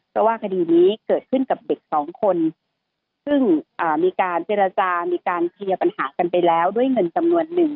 เพราะว่าคดีนี้เกิดขึ้นกับเด็กสองคนซึ่งมีการเจรจามีการเคลียร์ปัญหากันไปแล้วด้วยเงินจำนวนหนึ่ง